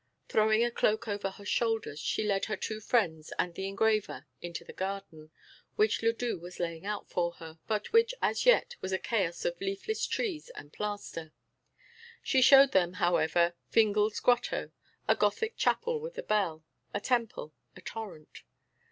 Throwing a cloak over her shoulders, she led her two friends and the engraver into the garden, which Ledoux was laying out for her, but which as yet was a chaos of leafless trees and plaster. She showed them, however, Fingal's grotto, a gothic chapel with a bell, a temple, a torrent.